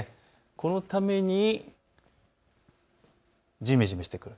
このためにじめじめしてくる。